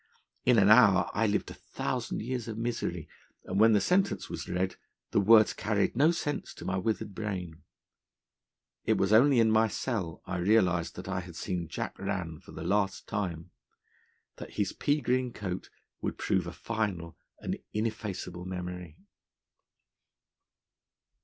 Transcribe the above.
In an hour I lived a thousand years of misery, and when the sentence was read, the words carried no sense to my withered brain. It was only in my cell I realised that I had seen Jack Rann for the last time; that his pea green coat would prove a final and ineffaceable memory.